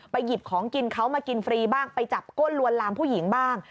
หยิบของกินเขามากินฟรีบ้างไปจับก้นลวนลามผู้หญิงบ้าง